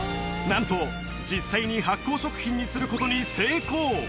なんと実際に発酵食品にすることに成功